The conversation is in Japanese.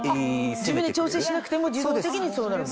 自分で調整しなくても自動的にそうなるの？